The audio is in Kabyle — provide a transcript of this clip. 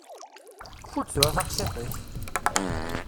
Kfu-d tura taqsiṭ-ik!